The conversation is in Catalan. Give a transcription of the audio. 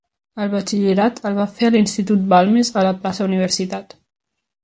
El batxillerat el va fer a l'Institut Balmes, a la plaça Universitat.